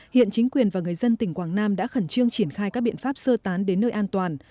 hiện chính quyền và người dân tỉnh quảng nam đã khẩn trương triển khai các biện pháp sơ tán đến nơi an toàn